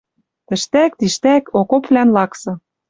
Тӹштӓк, тиштӓк окопвлӓн лаксы